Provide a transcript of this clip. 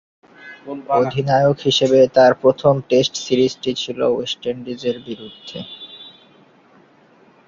অধিনায়ক হিসেবে তার প্রথম টেস্ট সিরিজটি ছিল ওয়েস্ট ইন্ডিজের বিরুদ্ধে।